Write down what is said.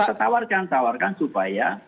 kita tawarkan supaya